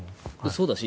そうだし